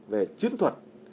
về chiến thuật